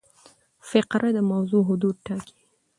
فقره د موضوع حدود ټاکي.